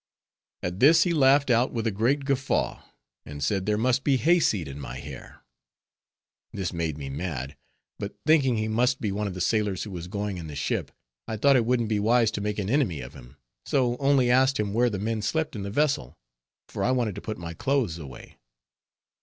At this he laughed out with a great guffaw, and said there must be hay seed in my hair. This made me mad; but thinking he must be one of the sailors who was going in the ship, I thought it wouldn't be wise to make an enemy of him, so only asked him where the men slept in the vessel, for I wanted to put my clothes away.